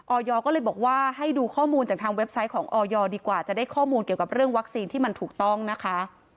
อยก็เลยบอกว่าให้ดูข้อมูลจากทางเว็บไซต์ของออยดีกว่าจะได้ข้อมูลเกี่ยวกับเรื่องวัคซีนที่มันถูกต้องนะคะ